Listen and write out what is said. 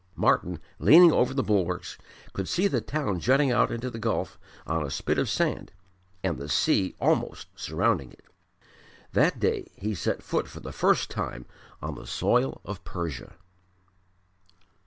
Martyn, leaning over the bulwarks, could see the town jutting out into the Gulf on a spit of sand and the sea almost surrounding it. That day he set foot for the first time on the soil of Persia.